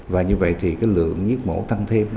và như vậy thì lượng giết mổ tăng thêm